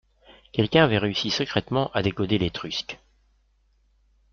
Quelqu’un avait réussi secrètement à décoder l’étrusque